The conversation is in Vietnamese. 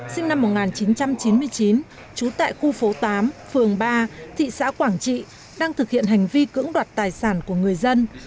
sinh năm một nghìn chín trăm chín mươi chín trú tại khu phố tám phường ba thị xã quảng trị đang thực hiện hành vi cưỡng đoạt tài sản của người dân